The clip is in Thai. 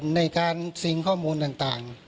ในการซิงข้อมูลต่าง